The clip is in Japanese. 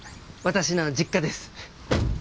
私の実家です。